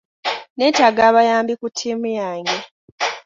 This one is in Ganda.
Neetaaga abayambi ku tiimu yange.